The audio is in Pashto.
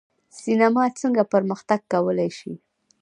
سینما څنګه پرمختګ کولی شي؟